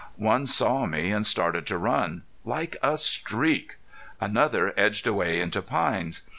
One saw me and started to run. Like a streak! Another edged away into pines.